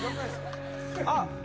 あっ。